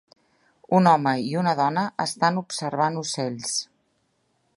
Un home i una dona estan observant ocells.